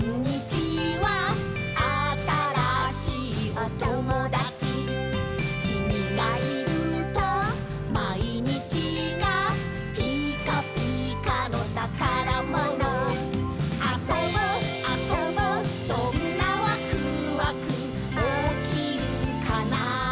「新しいおともだち」「きみがいるとまいにちがピカピカのたからもの」「あそぼあそぼどんなわくわくおきるかな」